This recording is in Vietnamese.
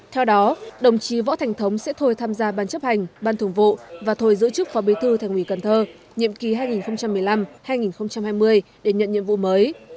theo đó đồng chí võ thành thống sẽ thôi tham gia ban chấp hành ban thường vụ và thôi giữ chức phó bí thư thành ủy cần thơ nhiệm kỳ hai nghìn một mươi năm hai nghìn hai mươi để nhận nhiệm vụ mới